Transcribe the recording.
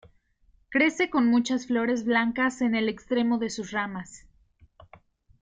Crece con muchas flores blancas en el extremo de sus ramas.